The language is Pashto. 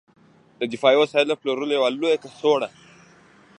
د دفاعي وسایلو د پلور یوه لویه کڅوړه